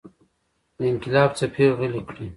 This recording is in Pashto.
د انقلاب څپې غلې کړي.